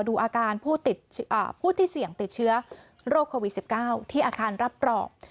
ดูอาการผู้ที่เสี่ยงติดเชื้อโรคโควิด๑๙ที่อาคารรับกรอบ